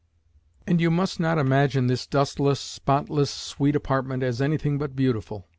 And you must not imagine this dustless, spotless, sweet apartment as anything but beautiful.